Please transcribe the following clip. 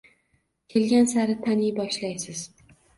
Kelgan sari taniy boshlaysiz